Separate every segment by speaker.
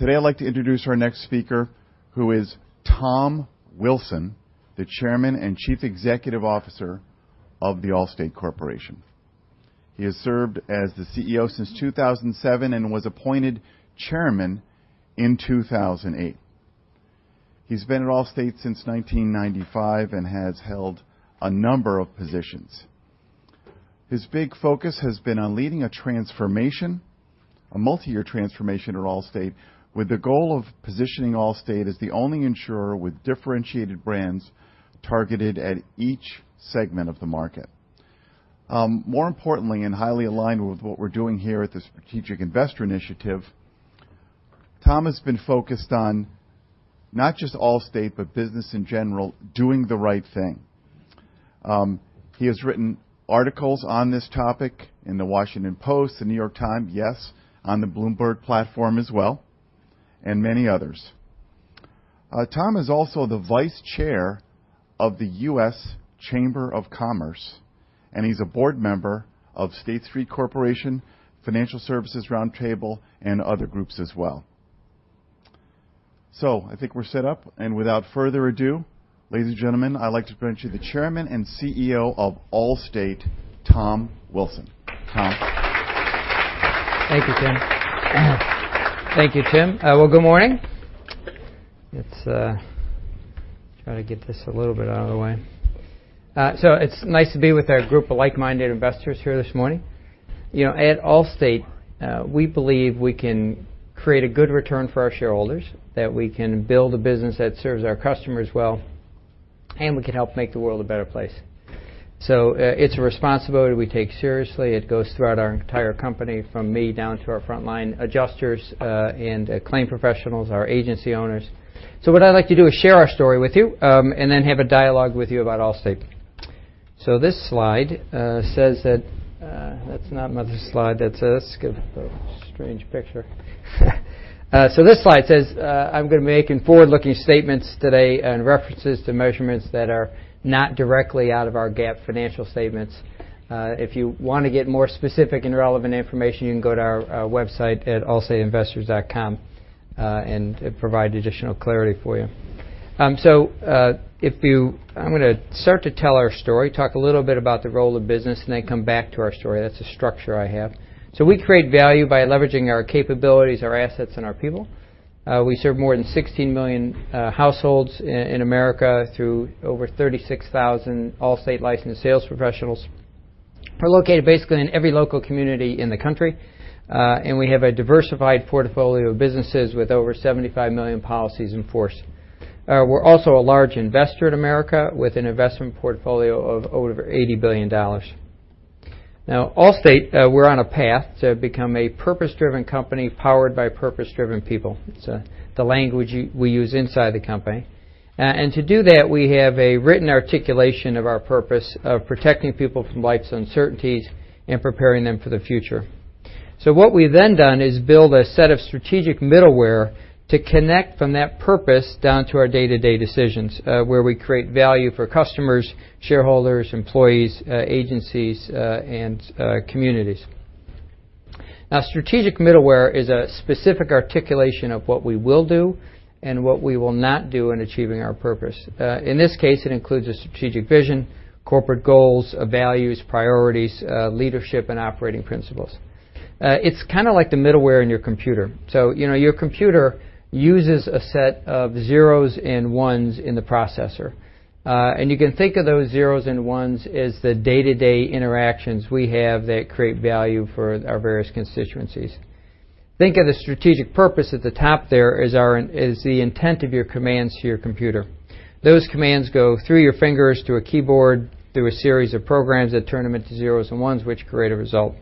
Speaker 1: Today, I'd like to introduce our next speaker, who is Tom Wilson, the Chairman and Chief Executive Officer of The Allstate Corporation. He has served as the CEO since 2007 and was appointed Chairman in 2008. He's been at Allstate since 1995 and has held a number of positions. His big focus has been on leading a multi-year transformation at Allstate with the goal of positioning Allstate as the only insurer with differentiated brands targeted at each segment of the market. More importantly, and highly aligned with what we're doing here at the Strategic Investor Initiative, Tom has been focused on not just Allstate, but business in general, doing the right thing. He has written articles on this topic in "The Washington Post," "The New York Times," yes, on the Bloomberg platform as well, and many others. Tom is also the Vice Chair of the U.S. Chamber of Commerce, and he's a board member of State Street Corporation, Financial Services Roundtable, and other groups as well. I think we're set up, and without further ado, ladies and gentlemen, I'd like to bring to you the Chairman and CEO of Allstate, Tom Wilson. Tom?
Speaker 2: Thank you, Tim. Well, good morning. Let's try to get this a little bit out of the way. It's nice to be with our group of like-minded investors here this morning. At Allstate, we believe we can create a good return for our shareholders, that we can build a business that serves our customers well, and we can help make the world a better place. It's a responsibility we take seriously. It goes throughout our entire company, from me down to our frontline adjusters, and claim professionals, our agency owners. What I'd like to do is share our story with you, and then have a dialogue with you about Allstate. This slide says That's not my slide. That's a strange picture. This slide says, I'm going to be making forward-looking statements today and references to measurements that are not directly out of our GAAP financial statements. If you want to get more specific and relevant information, you can go to our website at allstateinvestors.com, and it provide additional clarity for you. I'm going to start to tell our story, talk a little bit about the role of business, and then come back to our story. That's the structure I have. We create value by leveraging our capabilities, our assets, and our people. We serve more than 16 million households in America through over 36,000 Allstate licensed sales professionals, who are located basically in every local community in the country. We have a diversified portfolio of businesses with over 75 million policies in force. We're also a large investor in America with an investment portfolio of over $80 billion. Allstate, we're on a path to become a purpose-driven company powered by purpose-driven people. It's the language we use inside the company. To do that, we have a written articulation of our purpose of protecting people from life's uncertainties and preparing them for the future. What we've then done is build a set of strategic middleware to connect from that purpose down to our day-to-day decisions, where we create value for customers, shareholders, employees, agencies, and communities. Strategic middleware is a specific articulation of what we will do and what we will not do in achieving our purpose. In this case, it includes a strategic vision, corporate goals, values, priorities, leadership, and operating principles. It's kind of like the middleware in your computer. Your computer uses a set of zeros and ones in the processor. You can think of those zeros and ones as the day-to-day interactions we have that create value for our various constituencies. Think of the strategic purpose at the top there as the intent of your commands to your computer. Those commands go through your fingers to a keyboard, through a series of programs that turn them into zeros and ones, which create a result.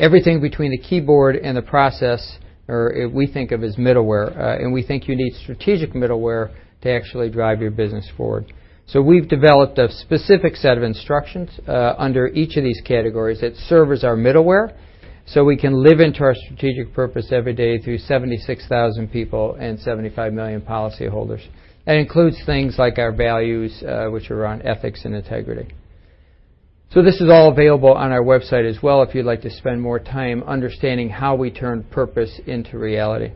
Speaker 2: Everything between the keyboard and the process, we think of as middleware, and we think you need strategic middleware to actually drive your business forward. We've developed a specific set of instructions under each of these categories that serve as our middleware so we can live into our strategic purpose every day through 76,000 people and 75 million policyholders. That includes things like our values, which are on ethics and integrity. This is all available on our website as well if you'd like to spend more time understanding how we turn purpose into reality.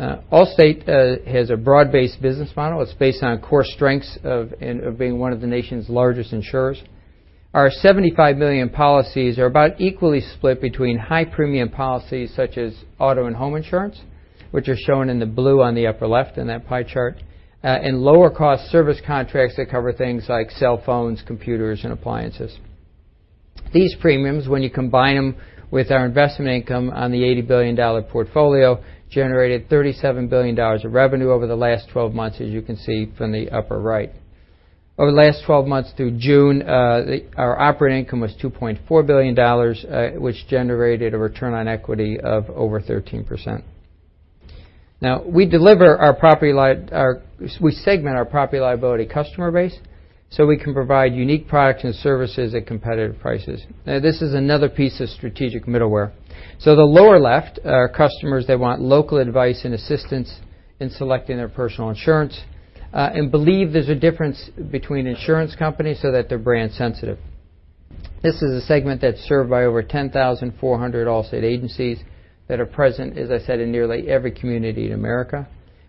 Speaker 2: Allstate has a broad-based business model. It's based on core strengths of being one of the nation's largest insurers. Our 75 million policies are about equally split between high premium policies such as auto and home insurance, which are shown in the blue on the upper left in that pie chart, and lower cost service contracts that cover things like cell phones, computers, and appliances. These premiums, when you combine them with our investment income on the $80 billion portfolio, generated $37 billion of revenue over the last 12 months, as you can see from the upper right. Over the last 12 months through June, our operating income was $2.4 billion, which generated a return on equity of over 13%. We segment our property liability customer base so we can provide unique products and services at competitive prices. This is another piece of strategic middleware. The lower left are customers that want local advice and assistance in selecting their personal insurance, and believe there's a difference between insurance companies so that they're brand sensitive. This is a segment that's served by over 10,400 Allstate agencies that are present, as I said, in nearly every community in America.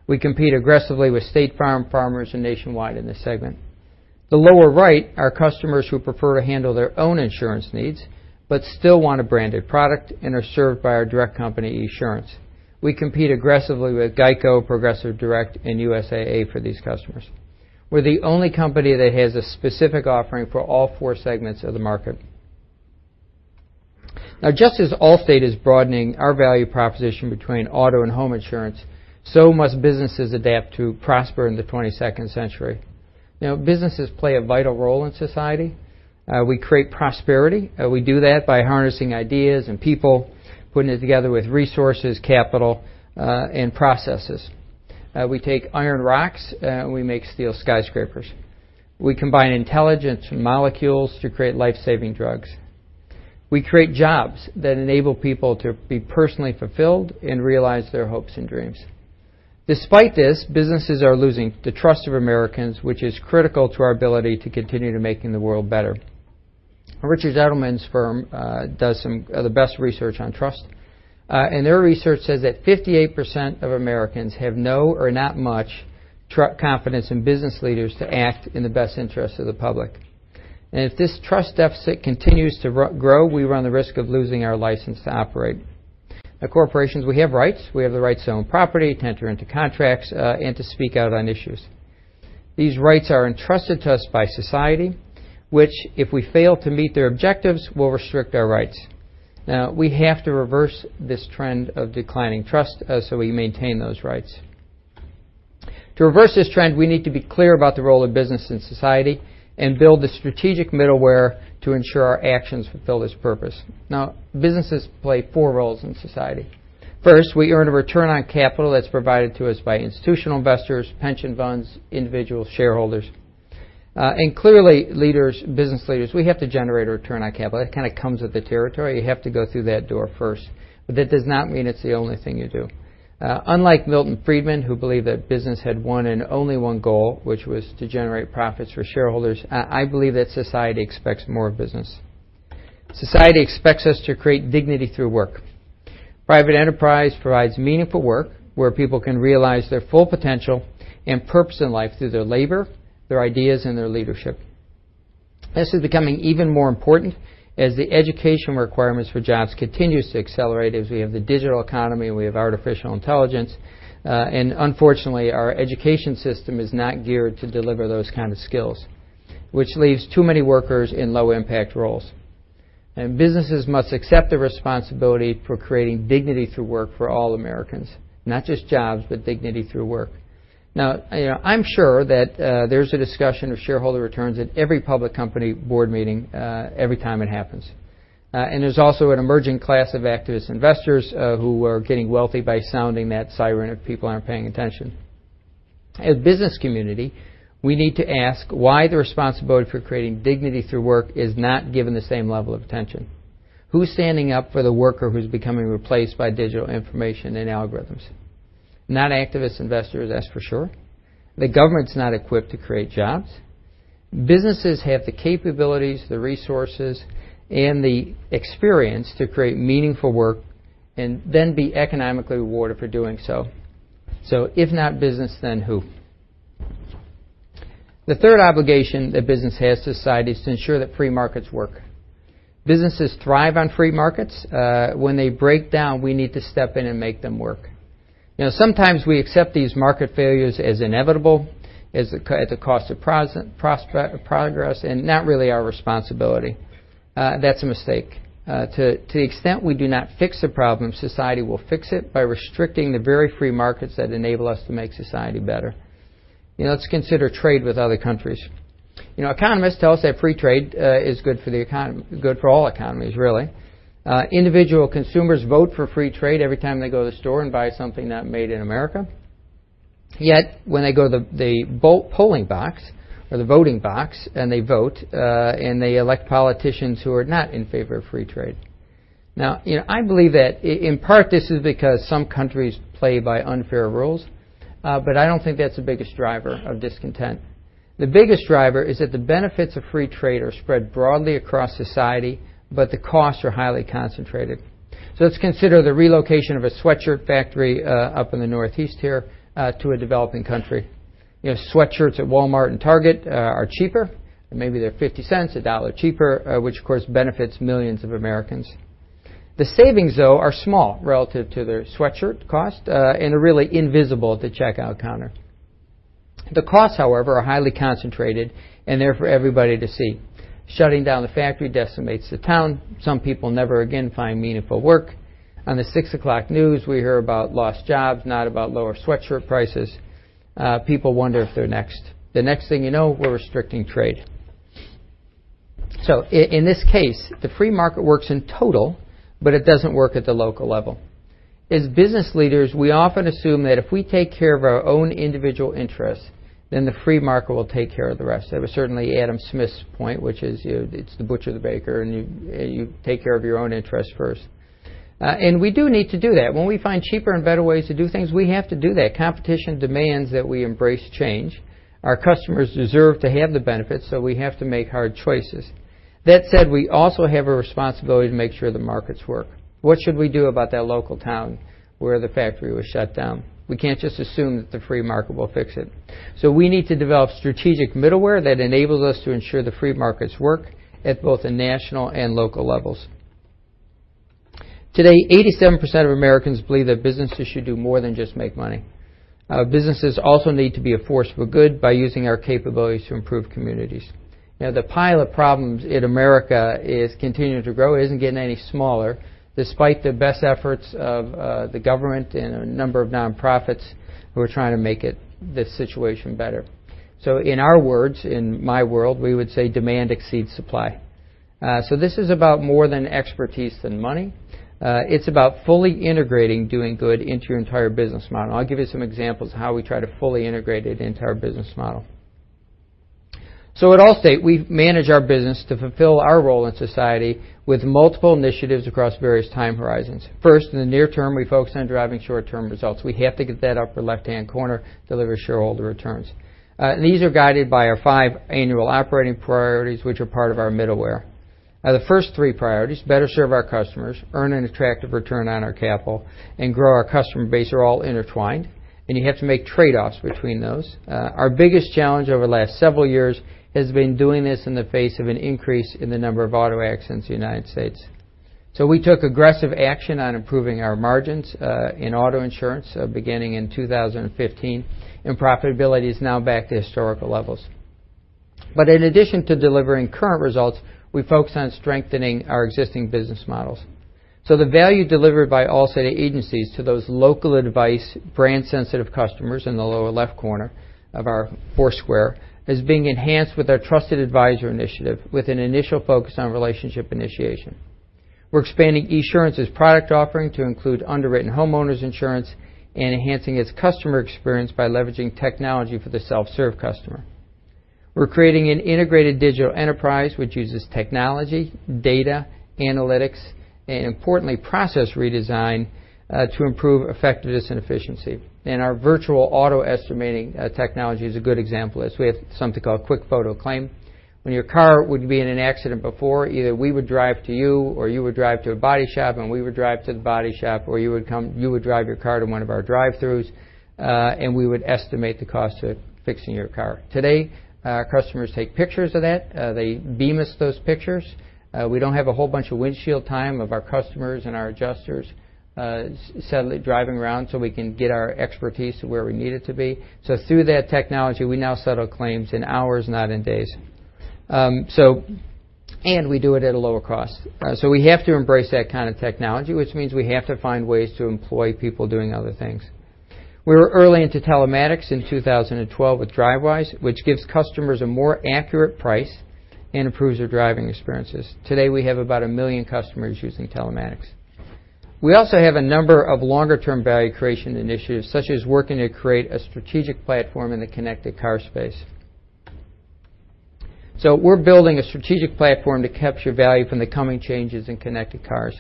Speaker 2: We compete aggressively with State Farm, Farmers, and Nationwide in this segment. The lower right are customers who prefer to handle their own insurance needs but still want a branded product and are served by our direct company, Esurance. We compete aggressively with GEICO, Progressive Direct, and USAA for these customers. We're the only company that has a specific offering for all four segments of the market. Just as Allstate is broadening our value proposition between auto and home insurance, businesses must adapt to prosper in the 22nd century. Businesses play a vital role in society. We create prosperity. We do that by harnessing ideas and people, putting it together with resources, capital, and processes. We take iron rocks, and we make steel skyscrapers. We combine intelligence and molecules to create life-saving drugs. We create jobs that enable people to be personally fulfilled and realize their hopes and dreams. Despite this, businesses are losing the trust of Americans, which is critical to our ability to continue to making the world better. Richard Edelman's firm does some of the best research on trust, and their research says that 58% of Americans have no or not much confidence in business leaders to act in the best interest of the public. If this trust deficit continues to grow, we run the risk of losing our license to operate. Corporations, we have rights. We have the right to own property, to enter into contracts, and to speak out on issues. These rights are entrusted to us by society, which, if we fail to meet their objectives, will restrict our rights. We have to reverse this trend of declining trust so we maintain those rights. To reverse this trend, we need to be clear about the role of business in society and build the strategic middleware to ensure our actions fulfill this purpose. Businesses play four roles in society. First, we earn a return on capital that's provided to us by institutional investors, pension funds, individual shareholders. Clearly, business leaders, we have to generate a return on capital. That kind of comes with the territory. You have to go through that door first, but that does not mean it's the only thing you do. Unlike Milton Friedman, who believed that business had one and only one goal, which was to generate profits for shareholders, I believe that society expects more of business. Society expects us to create dignity through work. Private enterprise provides meaningful work where people can realize their full potential and purpose in life through their labor, their ideas, and their leadership. This is becoming even more important as the education requirements for jobs continues to accelerate as we have the digital economy, we have artificial intelligence, and unfortunately, our education system is not geared to deliver those kind of skills, which leaves too many workers in low impact roles. Businesses must accept the responsibility for creating dignity through work for all Americans, not just jobs, but dignity through work. I'm sure that there's a discussion of shareholder returns at every public company board meeting every time it happens. There's also an emerging class of activist investors who are getting wealthy by sounding that siren if people aren't paying attention. As a business community, we need to ask why the responsibility for creating dignity through work is not given the same level of attention. Who's standing up for the worker who's becoming replaced by digital information and algorithms? Not activist investors, that's for sure. The government's not equipped to create jobs. Businesses have the capabilities, the resources, and the experience to create meaningful work and then be economically rewarded for doing so. If not business, then who? The third obligation that business has to society is to ensure that free markets work. Businesses thrive on free markets. When they break down, we need to step in and make them work. Sometimes we accept these market failures as inevitable, as the cost of progress, and not really our responsibility. That's a mistake. To the extent we do not fix a problem, society will fix it by restricting the very free markets that enable us to make society better. Let's consider trade with other countries. Economists tell us that free trade is good for the economy, good for all economies, really. Individual consumers vote for free trade every time they go to the store and buy something not made in America. When they go to the polling box or the voting box and they vote, and they elect politicians who are not in favor of free trade. I believe that in part this is because some countries play by unfair rules, but I don't think that's the biggest driver of discontent. The biggest driver is that the benefits of free trade are spread broadly across society, but the costs are highly concentrated. Let's consider the relocation of a sweatshirt factory up in the Northeast here to a developing country. Sweatshirts at Walmart and Target are cheaper. Maybe they're $0.50, $1 cheaper, which of course benefits millions of Americans. The savings, though, are small relative to their sweatshirt cost and are really invisible at the checkout counter. The costs, however, are highly concentrated and there for everybody to see. Shutting down the factory decimates the town. Some people never again find meaningful work. On the 6:00 news, we hear about lost jobs, not about lower sweatshirt prices. People wonder if they're next. The next thing you know, we're restricting trade. In this case, the free market works in total, but it doesn't work at the local level. As business leaders, we often assume that if we take care of our own individual interests, then the free market will take care of the rest. That was certainly Adam Smith's point, which is it's the butcher, the baker, and you take care of your own interests first. We do need to do that. When we find cheaper and better ways to do things, we have to do that. Competition demands that we embrace change. Our customers deserve to have the benefits. We have to make hard choices. That said, we also have a responsibility to make sure the markets work. What should we do about that local town where the factory was shut down? We can't just assume that the free market will fix it. We need to develop strategic middleware that enables us to ensure the free markets work at both the national and local levels. Today, 87% of Americans believe that businesses should do more than just make money. Businesses also need to be a force for good by using our capabilities to improve communities. The pile of problems in America is continuing to grow. It isn't getting any smaller, despite the best efforts of the government and a number of nonprofits who are trying to make this situation better. In our words, in my world, we would say demand exceeds supply. This is about more than expertise and money. It's about fully integrating doing good into your entire business model. I'll give you some examples of how we try to fully integrate it into our business model. At Allstate, we manage our business to fulfill our role in society with multiple initiatives across various time horizons. First, in the near term, we focus on driving short-term results. We have to get that upper left-hand corner, deliver shareholder returns. These are guided by our 5 annual operating priorities, which are part of our middleware. The first 3 priorities, better serve our customers, earn an attractive return on our capital, and grow our customer base, are all intertwined, and you have to make trade-offs between those. Our biggest challenge over the last several years has been doing this in the face of an increase in the number of auto accidents in the U.S. We took aggressive action on improving our margins, in auto insurance, beginning in 2015, and profitability is now back to historical levels. In addition to delivering current results, we focus on strengthening our existing business models. The value delivered by Allstate agencies to those local advice brand sensitive customers in the lower left corner of our foursquare is being enhanced with our Trusted Advisor initiative with an initial focus on relationship initiation. We're expanding Esurance's product offering to include underwritten homeowners insurance and enhancing its customer experience by leveraging technology for the self-serve customer. We're creating an integrated digital enterprise which uses technology, data, analytics, and importantly, process redesign to improve effectiveness and efficiency. Our virtual auto estimating technology is a good example of this. We have something called QuickFoto Claim. When your car would be in an accident before, either we would drive to you, or you would drive to a body shop, and we would drive to the body shop, or you would drive your car to one of our drive-throughs, and we would estimate the cost of fixing your car. Today, our customers take pictures of that. They beam us those pictures. We don't have a whole bunch of windshield time of our customers and our adjusters suddenly driving around so we can get our expertise to where we need it to be. Through that technology, we now settle claims in hours, not in days. We do it at a lower cost. We have to embrace that kind of technology, which means we have to find ways to employ people doing other things. We were early into telematics in 2012 with Drivewise, which gives customers a more accurate price and improves their driving experiences. Today, we have about 1 million customers using telematics. We also have a number of longer-term value creation initiatives, such as working to create a strategic platform in the connected car space. We're building a strategic platform to capture value from the coming changes in connected cars.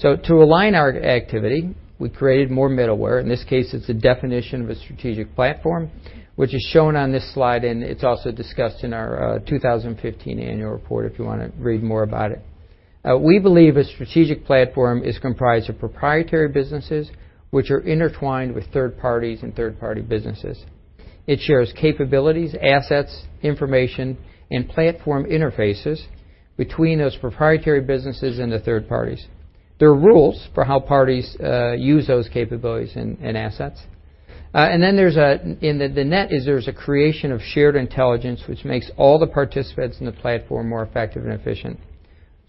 Speaker 2: To align our activity, we created more middleware. In this case, it's a definition of a strategic platform, which is shown on this slide, and it's also discussed in our 2015 annual report if you want to read more about it. We believe a strategic platform is comprised of proprietary businesses, which are intertwined with third parties and third-party businesses. It shares capabilities, assets, information, and platform interfaces between those proprietary businesses and the third parties. There are rules for how parties use those capabilities and assets. The net is there's a creation of shared intelligence, which makes all the participants in the platform more effective and efficient.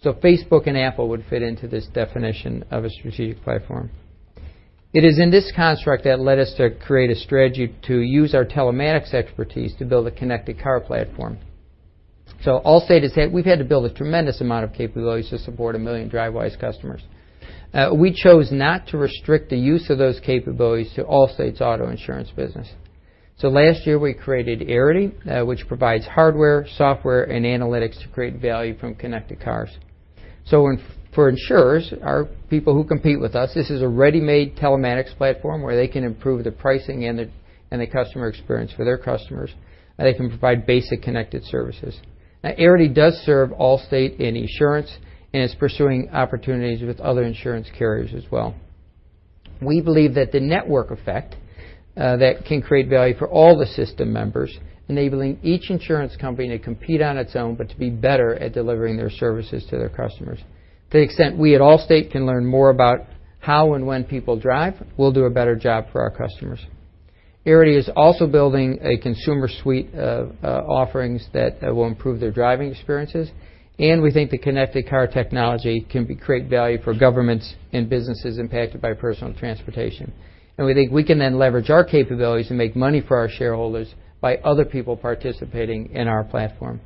Speaker 2: Facebook and Apple would fit into this definition of a strategic platform. It is in this construct that led us to create a strategy to use our telematics expertise to build a connected car platform. Allstate has said we've had to build a tremendous amount of capabilities to support 1 million Drivewise customers. We chose not to restrict the use of those capabilities to Allstate's auto insurance business. Last year, we created Arity, which provides hardware, software, and analytics to create value from connected cars. For insurers, our people who compete with us, this is a ready-made telematics platform where they can improve the pricing and the customer experience for their customers, and they can provide basic connected services. Arity does serve Allstate and Esurance, and it's pursuing opportunities with other insurance carriers as well. We believe that the network effect that can create value for all the system members, enabling each insurance company to compete on its own, but to be better at delivering their services to their customers. To the extent we at Allstate can learn more about how and when people drive, we'll do a better job for our customers. Arity is also building a consumer suite of offerings that will improve their driving experiences, and we think the connected car technology can create value for governments and businesses impacted by personal transportation. We think we can then leverage our capabilities and make money for our shareholders by other people participating in our platform.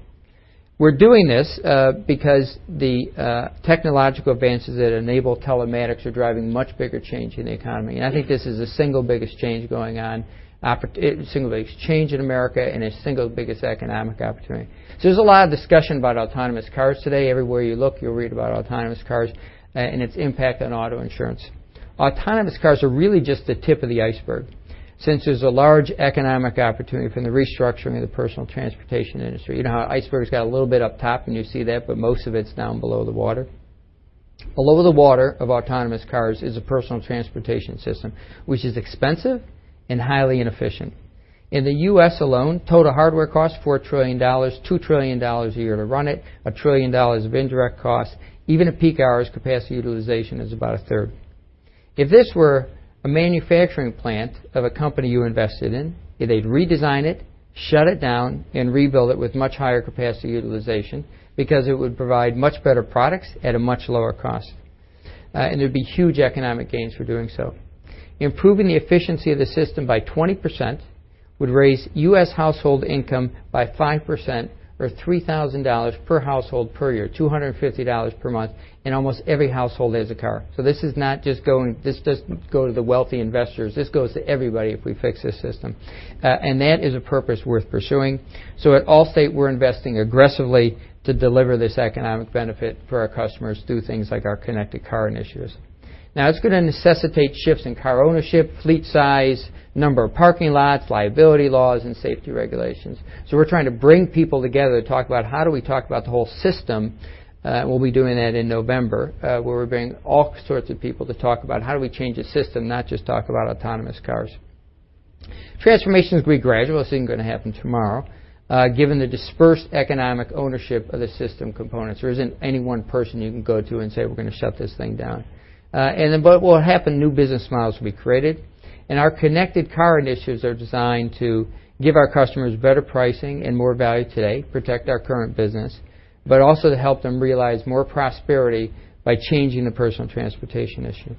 Speaker 2: We're doing this because the technological advances that enable telematics are driving much bigger change in the economy. I think this is the single biggest change in America and the single biggest economic opportunity. There's a lot of discussion about autonomous cars today. Everywhere you look, you'll read about autonomous cars and its impact on auto insurance. Autonomous cars are really just the tip of the iceberg since there's a large economic opportunity from the restructuring of the personal transportation industry. You know how an iceberg's got a little bit up top, and you see that, but most of it's down below the water. Below the water of autonomous cars is a personal transportation system, which is expensive and highly inefficient. In the U.S. alone, total hardware costs $4 trillion, $2 trillion a year to run it, $1 trillion of indirect costs. Even at peak hours, capacity utilization is about a third. If this were a manufacturing plant of a company you invested in, they'd redesign it, shut it down, and rebuild it with much higher capacity utilization because it would provide much better products at a much lower cost. There'd be huge economic gains for doing so. Improving the efficiency of the system by 20% would raise U.S. household income by 5% or $3,000 per household per year, $250 per month, and almost every household has a car. This doesn't go to the wealthy investors. This goes to everybody if we fix this system. That is a purpose worth pursuing. At Allstate, we're investing aggressively to deliver this economic benefit for our customers through things like our connected car initiatives. It's going to necessitate shifts in car ownership, fleet size, number of parking lots, liability laws, and safety regulations. We're trying to bring people together to talk about how do we talk about the whole system. We'll be doing that in November, where we're bringing all sorts of people to talk about how do we change a system, not just talk about autonomous cars. Transformation is going to be gradual. This isn't going to happen tomorrow. Given the dispersed economic ownership of the system components, there isn't any one person you can go to and say, "We're going to shut this thing down." What will happen, new business models will be created, and our connected car initiatives are designed to give our customers better pricing and more value today, protect our current business, but also to help them realize more prosperity by changing the personal transportation issue.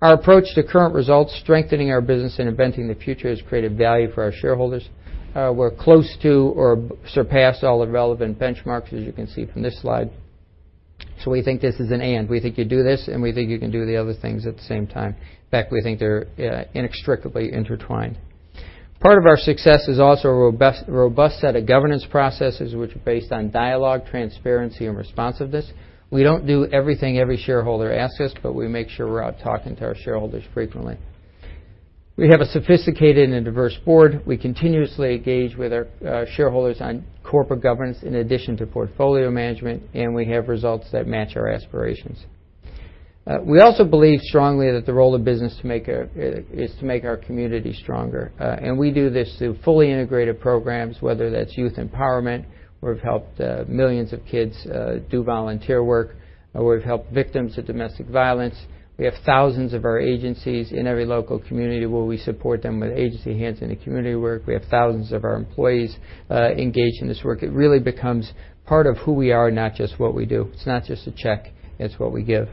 Speaker 2: Our approach to current results, strengthening our business, and inventing the future has created value for our shareholders. We're close to or surpassed all the relevant benchmarks, as you can see from this slide. We think this is an and. We think you do this, and we think you can do the other things at the same time. In fact, we think they're inextricably intertwined. Part of our success is also a robust set of governance processes, which are based on dialogue, transparency, and responsiveness. We don't do everything every shareholder asks us, but we make sure we're out talking to our shareholders frequently. We have a sophisticated and diverse board. We continuously engage with our shareholders on corporate governance in addition to portfolio management, and we have results that match our aspirations. We also believe strongly that the role of business is to make our community stronger. We do this through fully integrated programs, whether that's youth empowerment, where we've helped millions of kids do volunteer work, or we've helped victims of domestic violence. We have thousands of our agencies in every local community where we support them with Agency Hands in the Community work. We have thousands of our employees engaged in this work. It really becomes part of who we are, not just what we do. It's not just a check. It's what we give.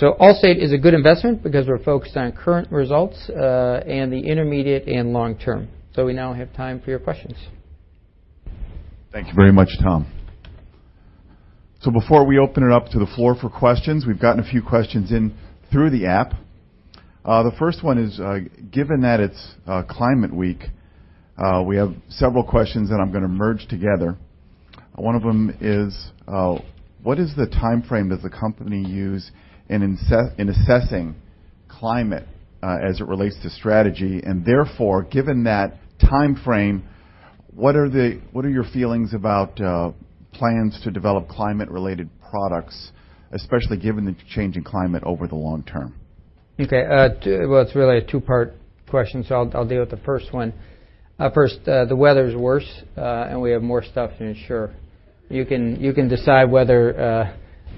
Speaker 2: Allstate is a good investment because we're focused on current results, and the intermediate and long term. We now have time for your questions.
Speaker 1: Thank you very much, Tom. Before we open it up to the floor for questions, we've gotten a few questions in through the app. The first one is, given that it's Climate Week, we have several questions, I'm going to merge together. One of them is, what is the timeframe that the company use in assessing climate as it relates to strategy? Therefore, given that timeframe, what are your feelings about plans to develop climate-related products, especially given the change in climate over the long term?
Speaker 2: Okay. It's really a two-part question, I'll deal with the first one. First, the weather's worse, we have more stuff to ensure. You can debate whether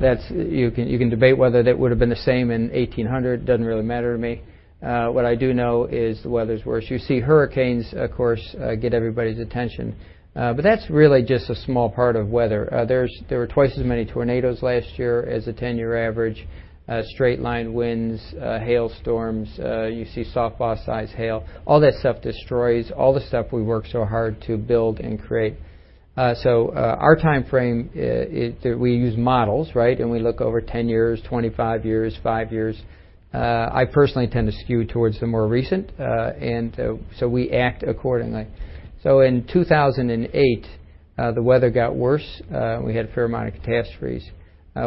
Speaker 2: that would have been the same in 1800. It doesn't really matter to me. What I do know is the weather's worse. You see hurricanes, of course, get everybody's attention. That's really just a small part of weather. There were twice as many tornadoes last year as a 10-year average. Straight-line winds, hailstorms. You see softball-sized hail. All that stuff destroys all the stuff we work so hard to build and create. Our timeframe, we use models, right? We look over 10 years, 25 years, five years. I personally tend to skew towards the more recent, we act accordingly. In 2008, the weather got worse. We had a fair amount of catastrophes.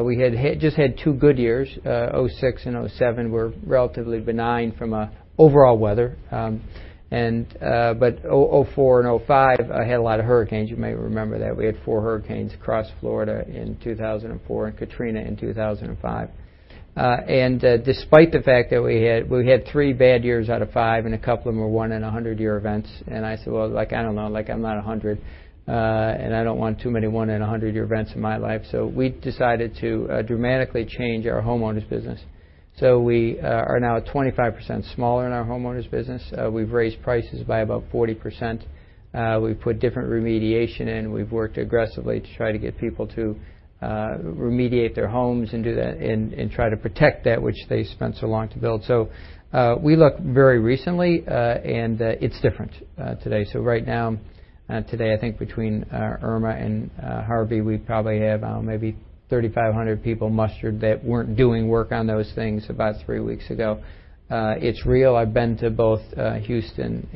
Speaker 2: We had just had two good years. 2006 and 2007 were relatively benign from an overall weather. 2004 and 2005 had a lot of hurricanes. You may remember that we had four hurricanes across Florida in 2004 and Katrina in 2005. Despite the fact that we had three bad years out of five, a couple of them were one in 100 year events, I said, "I don't know. I'm not 100, I don't want too many one in 100 year events in my life." We decided to dramatically change our homeowners business. We are now 25% smaller in our homeowners business. We've raised prices by about 40%. We've put different remediation in. We've worked aggressively to try to get people to remediate their homes and do that and try to protect that which they spent so long to build. We looked very recently, it's different today. Right now, today, I think between Irma and Harvey, we probably have maybe 3,500 people mustered that weren't doing work on those things about three weeks ago. It's real. I've been to both Houston,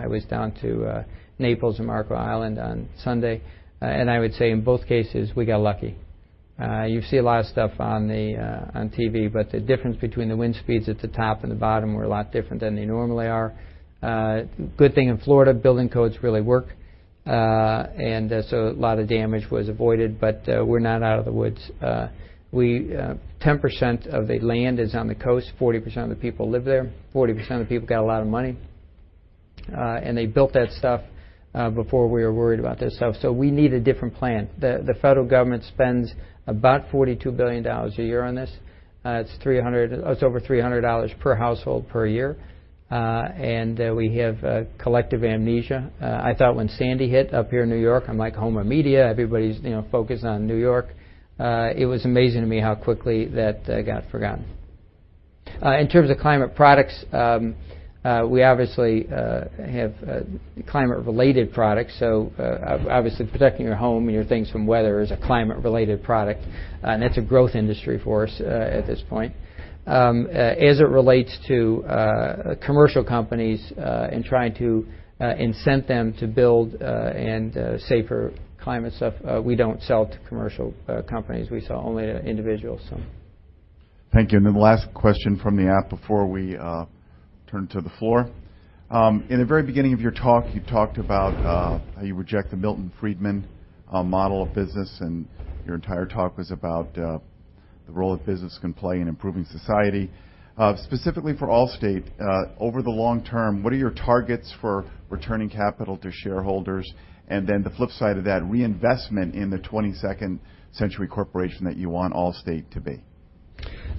Speaker 2: I was down to Naples and Marco Island on Sunday. I would say in both cases, we got lucky. You see a lot of stuff on TV, the difference between the wind speeds at the top and the bottom were a lot different than they normally are. Good thing in Florida, building codes really work. A lot of damage was avoided, we're not out of the woods. 10% of the land is on the coast, 40% of the people live there, 40% of the people got a lot of money. They built that stuff before we were worried about this stuff. We need a different plan. The federal government spends about $42 billion a year on this. It's over $300 per household per year. We have collective amnesia. I thought when Sandy hit up here in New York, I'm like home of media. Everybody's focused on New York. It was amazing to me how quickly that got forgotten. In terms of climate products, we obviously have climate-related products. Obviously, protecting your home and your things from weather is a climate-related product. That's a growth industry for us at this point. As it relates to commercial companies, and trying to incent them to build and safer climate stuff, we don't sell to commercial companies. We sell only to individuals.
Speaker 1: Thank you. The last question from the app before we turn to the floor. In the very beginning of your talk, you talked about how you reject the Milton Friedman model of business, and your entire talk was about the role that business can play in improving society. Specifically for Allstate, over the long term, what are your targets for returning capital to shareholders? The flip side of that, reinvestment in the 22nd century corporation that you want Allstate to be.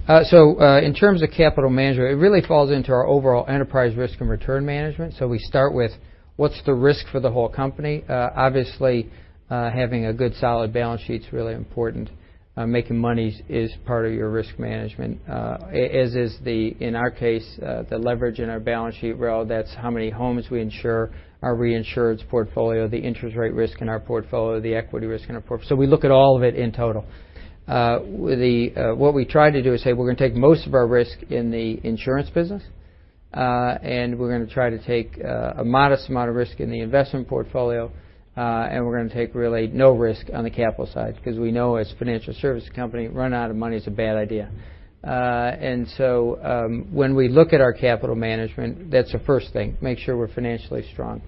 Speaker 2: In terms of capital management, it really falls into our overall enterprise risk and return management. We start with, what's the risk for the whole company? Obviously, having a good solid balance sheet is really important. Making money is part of your risk management. As is the, in our case, the leverage in our balance sheet ROE. That's how many homes we insure, our reinsurance portfolio, the interest rate risk in our portfolio, the equity risk in our portfolio. We look at all of it in total. What we try to do is say we're going to take most of our risk in the insurance business, and we're going to try to take a modest amount of risk in the investment portfolio, and we're going to take really no risk on the capital side because we know as a financial service company, run out of money is a bad idea. When we look at our capital management, that's the first thing, make sure we're financially strong.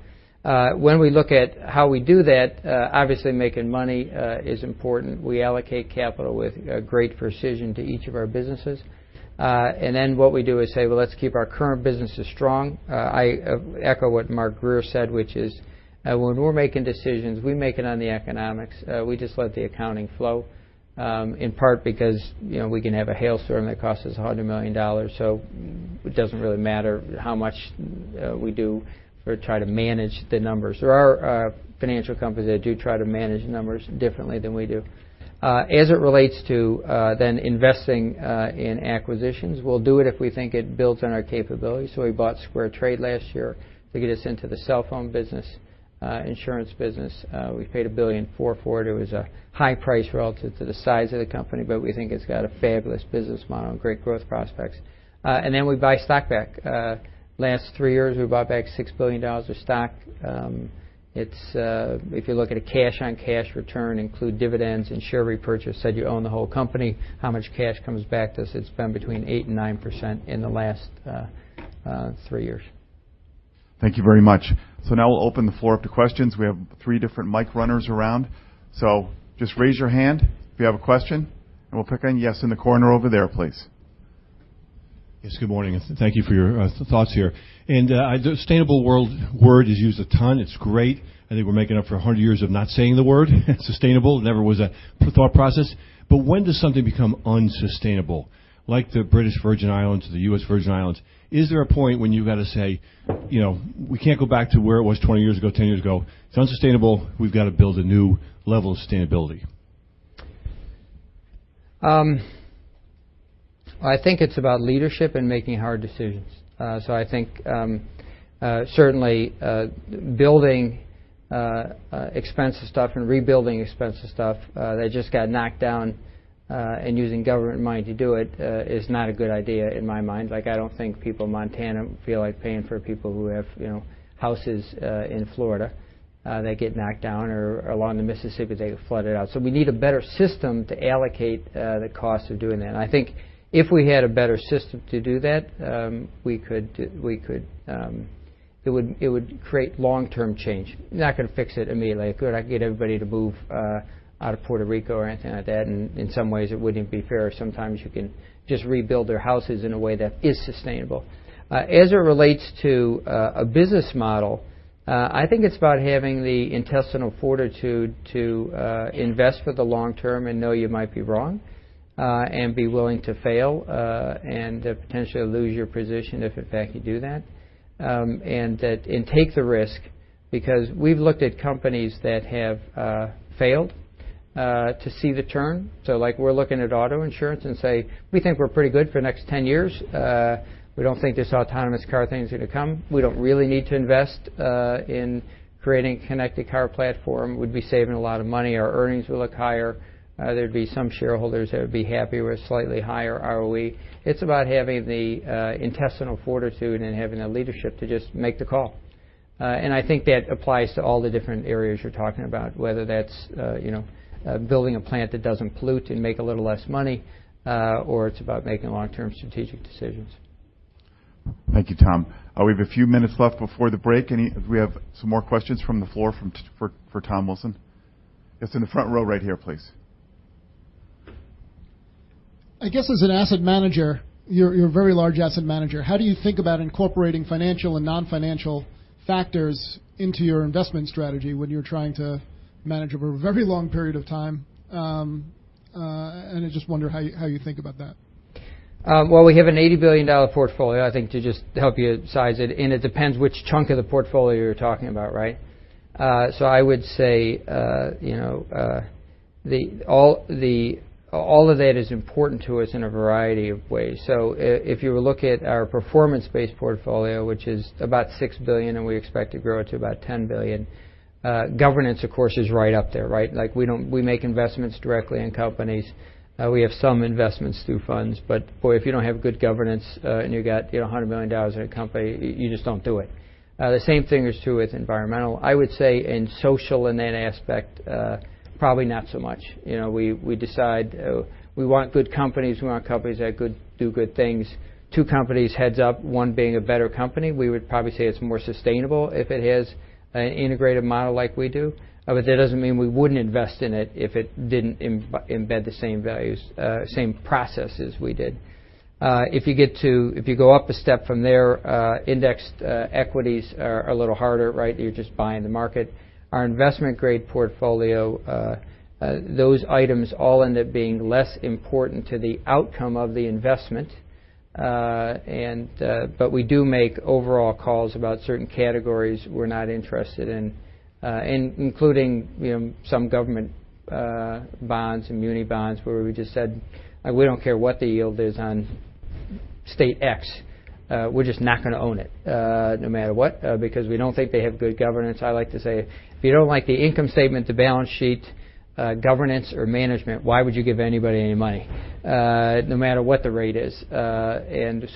Speaker 2: When we look at how we do that, obviously making money is important. We allocate capital with great precision to each of our businesses. What we do is say, "Well, let's keep our current businesses strong." I echo what Mark Grier said, which is, when we're making decisions, we make it on the economics. We just let the accounting flow, in part because we can have a hailstorm that costs us $100 million. It doesn't really matter how much we do or try to manage the numbers. There are financial companies that do try to manage numbers differently than we do. As it relates to investing in acquisitions, we'll do it if we think it builds on our capabilities. We bought SquareTrade last year to get us into the cell phone business, insurance business. We paid $1.4 billion for it. It was a high price relative to the size of the company, but we think it's got a fabulous business model and great growth prospects. We buy stock back. Last three years, we bought back $6 billion of stock. If you look at a cash-on-cash return, include dividends and share repurchase, said you own the whole company, how much cash comes back to us? It's been between 8%-9% in the last three years.
Speaker 1: Thank you very much. Now we'll open the floor up to questions. We have three different mic runners around. Just raise your hand if you have a question. We'll pick on, yes, in the corner over there, please.
Speaker 3: Yes, good morning, thank you for your thoughts here. The sustainable world word is used a ton. It's great. I think we're making up for 100 years of not saying the word. Sustainable never was a thought process. When does something become unsustainable, like the British Virgin Islands or the U.S. Virgin Islands? Is there a point when you got to say, we can't go back to where it was 20 years ago, 10 years ago. It's unsustainable. We've got to build a new level of sustainability.
Speaker 2: I think it's about leadership and making hard decisions. I think, certainly, building expensive stuff and rebuilding expensive stuff that just got knocked down, and using government money to do it, is not a good idea in my mind. I don't think people in Montana feel like paying for people who have houses in Florida that get knocked down or along the Mississippi, they get flooded out. We need a better system to allocate the cost of doing that. I think if we had a better system to do that, it would create long-term change. Not going to fix it immediately. Could I get everybody to move out of Puerto Rico or anything like that? In some ways, it wouldn't be fair. Sometimes you can just rebuild their houses in a way that is sustainable. As it relates to a business model, I think it's about having the intestinal fortitude to invest for the long term and know you might be wrong, and be willing to fail, and potentially lose your position if in fact you do that. Take the risk because we've looked at companies that have failed. To see the turn. We're looking at auto insurance and say, "We think we're pretty good for the next 10 years. We don't think this autonomous car thing is going to come. We don't really need to invest in creating a connected car platform." We'd be saving a lot of money. Our earnings would look higher. There'd be some shareholders that would be happier with a slightly higher ROE. It's about having the intestinal fortitude and having that leadership to just make the call. I think that applies to all the different areas you're talking about, whether that's building a plant that doesn't pollute and make a little less money, or it's about making long-term strategic decisions.
Speaker 1: Thank you, Tom. We have a few minutes left before the break. We have some more questions from the floor for Tom Wilson. It's in the front row right here, please.
Speaker 3: I guess as an asset manager, you're a very large asset manager. How do you think about incorporating financial and non-financial factors into your investment strategy when you're trying to manage over a very long period of time? I just wonder how you think about that.
Speaker 2: Well, we have an $80 billion portfolio, I think, to just help you size it. It depends which chunk of the portfolio you're talking about, right? I would say all of that is important to us in a variety of ways. If you look at our performance-based portfolio, which is about $6 billion, and we expect to grow it to about $10 billion, governance, of course, is right up there, right? We make investments directly in companies. We have some investments through funds. Boy, if you don't have good governance and you got $100 million in a company, you just don't do it. The same thing is true with environmental. I would say in social, in that aspect, probably not so much. We want good companies. We want companies that do good things. Two companies, heads up, one being a better company, we would probably say it's more sustainable if it has an integrated model like we do. That doesn't mean we wouldn't invest in it if it didn't embed the same values, same processes we did. If you go up a step from there, indexed equities are a little harder, right? You're just buying the market. Our investment-grade portfolio, those items all end up being less important to the outcome of the investment. We do make overall calls about certain categories we're not interested in, including some government bonds and muni bonds, where we just said, "We don't care what the yield is on state X. We're just not going to own it no matter what because we don't think they have good governance." I like to say, if you don't like the income statement, the balance sheet, governance, or management, why would you give anybody any money no matter what the rate is?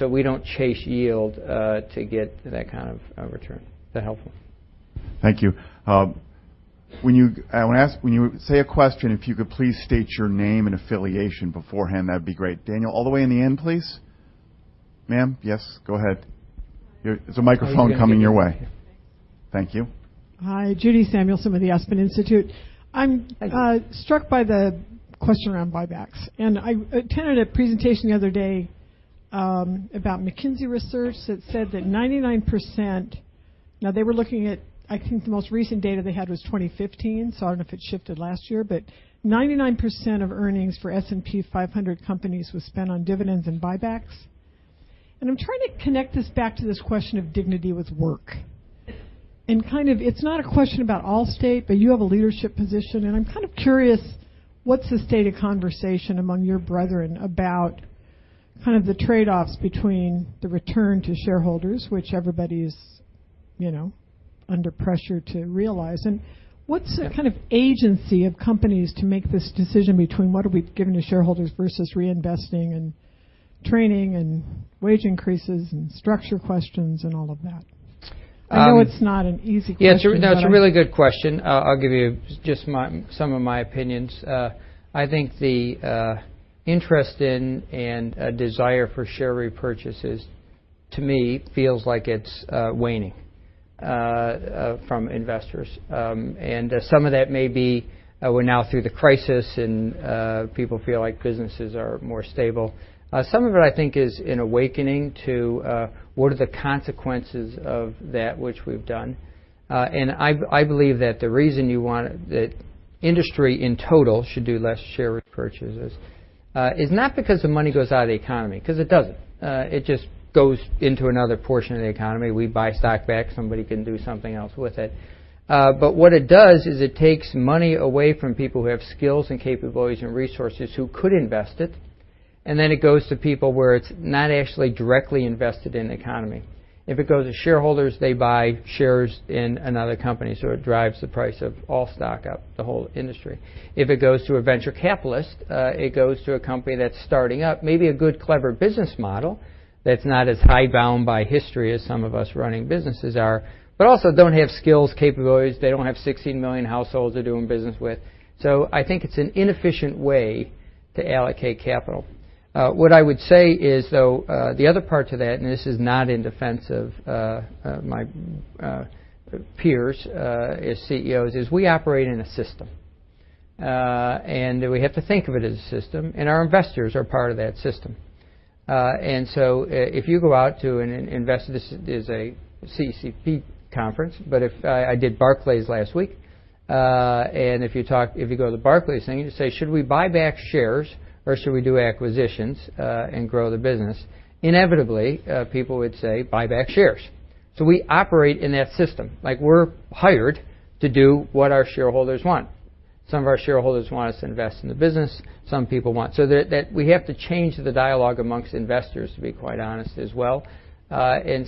Speaker 2: We don't chase yield to get that kind of return. Is that helpful?
Speaker 1: Thank you. When you say a question, if you could please state your name and affiliation beforehand, that'd be great. Daniel, all the way in the end, please. Ma'am, yes, go ahead. There's a microphone coming your way. Thank you.
Speaker 4: Hi. Judith Samuelson with the Aspen Institute.
Speaker 2: Hi.
Speaker 4: I'm struck by the question around buybacks. I attended a presentation the other day about McKinsey research that said that 99%, now they were looking at, I think the most recent data they had was 2015, so I don't know if it shifted last year, but 99% of earnings for S&P 500 companies was spent on dividends and buybacks. I'm trying to connect this back to this question of dignity with work. It's not a question about Allstate, but you have a leadership position, and I'm kind of curious, what's the state of conversation among your brethren about kind of the trade-offs between the return to shareholders, which everybody's under pressure to realize, and what's the kind of agency of companies to make this decision between what are we giving to shareholders versus reinvesting in training and wage increases and structure questions and all of that? I know it's not an easy question.
Speaker 2: Yeah. No, it's a really good question. I'll give you just some of my opinions. I think the interest in and desire for share repurchases, to me, feels like it's waning from investors. Some of that may be we're now through the crisis, and people feel like businesses are more stable. Some of it, I think, is an awakening to what are the consequences of that which we've done. I believe that the reason you want that industry in total should do less share repurchases is not because the money goes out of the economy, because it doesn't. It just goes into another portion of the economy. We buy stock back. Somebody can do something else with it. What it does is it takes money away from people who have skills and capabilities and resources who could invest it, and then it goes to people where it's not actually directly invested in the economy. If it goes to shareholders, they buy shares in another company, so it drives the price of all stock up, the whole industry. If it goes to a venture capitalist, it goes to a company that's starting up, maybe a good, clever business model that's not as hidebound by history as some of us running businesses are, but also don't have skills, capabilities. They don't have 16 million households they're doing business with. I think it's an inefficient way to allocate capital. What I would say is, though, the other part to that, and this is not in defense of my peers as CEOs, is we operate in a system. We have to think of it as a system, and our investors are part of that system. If you go out to an investor, this is a CECP conference, but I did Barclays last week. If you go to the Barclays thing and you say, "Should we buy back shares or should we do acquisitions and grow the business?" Inevitably, people would say, "Buy back shares." We operate in that system. We're hired to do what our shareholders want. Some of our shareholders want us to invest in the business. We have to change the dialogue amongst investors, to be quite honest as well, and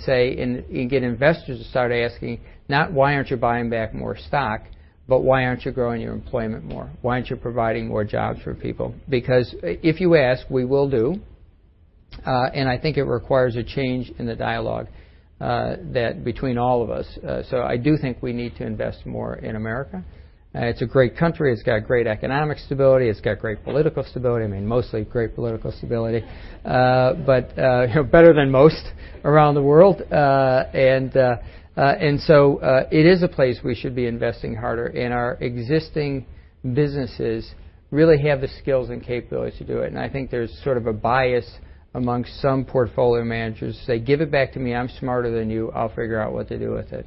Speaker 2: get investors to start asking not, "Why aren't you buying back more stock?" But, "Why aren't you growing your employment more? Why aren't you providing more jobs for people?" Because if you ask, we will do, and I think it requires a change in the dialogue between all of us. I do think we need to invest more in America. It's a great country. It's got great economic stability. It's got great political stability. Mostly great political stability. Better than most around the world. It is a place we should be investing harder, and our existing businesses really have the skills and capabilities to do it, and I think there's sort of a bias amongst some portfolio managers to say, "Give it back to me. I'm smarter than you. I'll figure out what to do with it.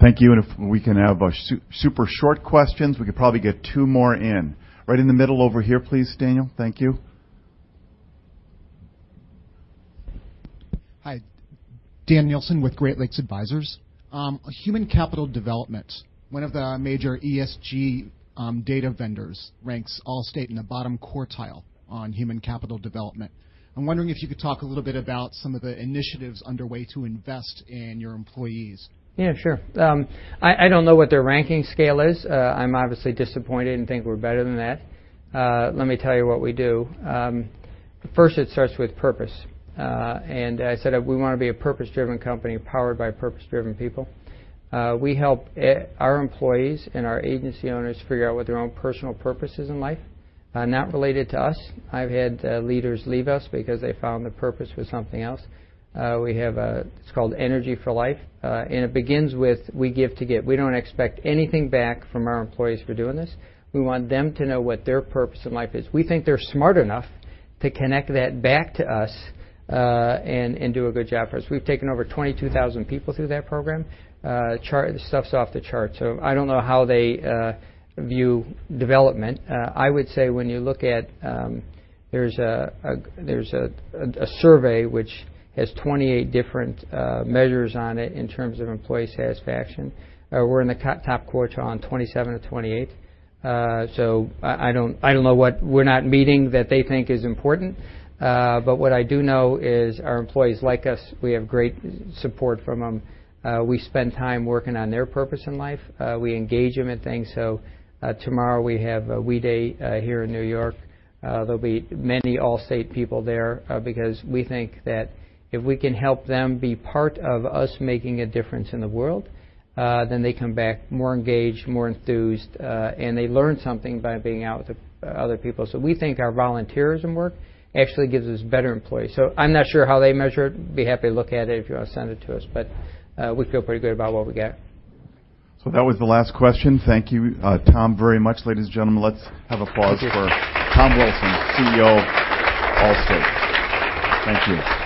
Speaker 1: Thank you. If we can have super short questions, we could probably get two more in. Right in the middle over here, please, Daniel. Thank you.
Speaker 5: Hi. Dan Nielsen with Great Lakes Advisors. Human Capital Development, one of the major ESG data vendors, ranks Allstate in the bottom quartile on human capital development. I'm wondering if you could talk a little bit about some of the initiatives underway to invest in your employees.
Speaker 2: Yeah, sure. I don't know what their ranking scale is. I'm obviously disappointed and think we're better than that. Let me tell you what we do. First, it starts with purpose. I said we want to be a purpose-driven company powered by purpose-driven people. We help our employees and our agency owners figure out what their own personal purpose is in life, not related to us. I've had leaders leave us because they found their purpose was something else. We have a, it's called Energy for Life, and it begins with we give to give. We don't expect anything back from our employees for doing this. We want them to know what their purpose in life is. We think they're smart enough to connect that back to us and do a good job for us. We've taken over 22,000 people through that program. The stuff's off the charts. I don't know how they view development. I would say when you look at-- There's a survey which has 28 different measures on it in terms of employee satisfaction. We're in the top quartile on 27 of 28. I don't know what we're not meeting that they think is important. What I do know is our employees like us. We have great support from them. We spend time working on their purpose in life. We engage them in things. Tomorrow we have WE Day here in New York. There'll be many Allstate people there because we think that if we can help them be part of us making a difference in the world, then they come back more engaged, more enthused, and they learn something by being out with other people. We think our volunteerism work actually gives us better employees. I'm not sure how they measure it. Be happy to look at it if you want to send it to us. We feel pretty good about what we've got.
Speaker 1: That was the last question. Thank you, Tom, very much. Ladies and gentlemen, let's have applause for Tom Wilson, CEO of Allstate. Thank you.